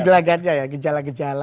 gelagatnya ya gejala gejala